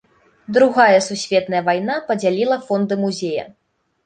Другая сусветная вайна падзяліла фонды музея.